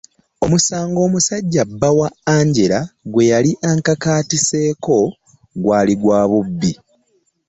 Omusango omusajja bba wa Angela gwe yali ankakaatiseeko gwali gwa bubbi.